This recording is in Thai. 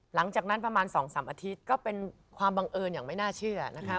หลังจากนั้นประมาณ๒๓อาทิตย์ก็เป็นความบังเอิญอย่างไม่น่าเชื่อนะคะ